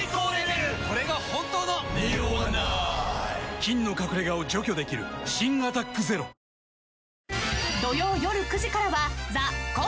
菌の隠れ家を除去できる新「アタックＺＥＲＯ」ふん！